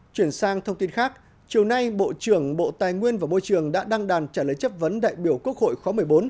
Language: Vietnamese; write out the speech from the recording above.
chuyển sang thông tin khác chiều nay bộ trưởng bộ tài nguyên và môi trường đã đăng đàn trả lời chất vấn đại biểu quốc hội khóa một mươi bốn